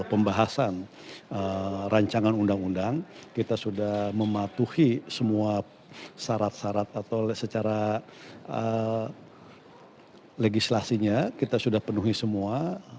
pembahasan rancangan undang undang kita sudah mematuhi semua syarat syarat atau secara legislasinya kita sudah penuhi semua